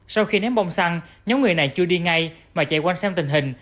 sau khi ném bông xăng nhóm người này chưa đi ngay mà chạy quanh xem tình hình